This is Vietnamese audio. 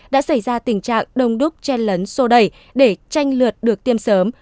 đã xảy ra tình trạng đông đúc chen lấn sô đẩy để tranh lượt được tiêm sớm